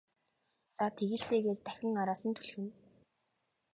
За тэг л дээ гээд дахин араас нь түлхэнэ.